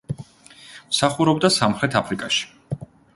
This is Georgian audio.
მსახურობდა სამხრეთ აფრიკაში.